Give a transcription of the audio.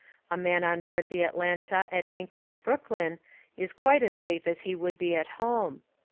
A man on board the Atlanta at anchor at Brooklyn is quite as safe as he would be at home.